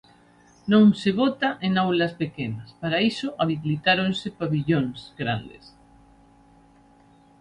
Non se vota en aulas pequenas, para iso habilitáronse pavillóns grandes.